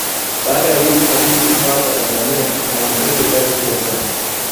baada ya hii kusajili simu hapa tanzania kumeongeza idadi kubwa sana